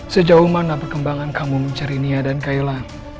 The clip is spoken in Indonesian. sejauh mana perkembangan kamu mencari nia dan kaila